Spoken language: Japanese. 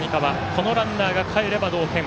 このランナーがかえれば同点。